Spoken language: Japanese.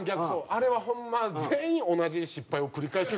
あれはホンマ全員同じ失敗を繰り返してるだけなんですね。